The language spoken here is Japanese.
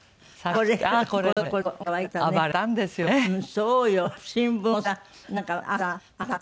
そうよね。